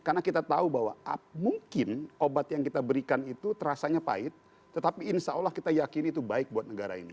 karena kita tahu bahwa mungkin obat yang kita berikan itu rasanya pahit tetapi insya allah kita yakin itu baik buat negara ini